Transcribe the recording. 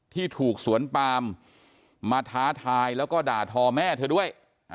ที่ถูกสวนปามมาท้าทายแล้วก็ด่าทอแม่เธอด้วย